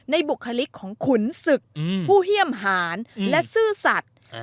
ในบุคลิกของขุนศึกอืมผู้เยี่ยมหารอืมและซื่อสัตว์อ่า